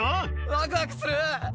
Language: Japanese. ワクワクする！